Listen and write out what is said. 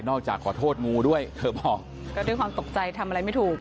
ขอโทษงูด้วยเธอบอกก็ด้วยความตกใจทำอะไรไม่ถูก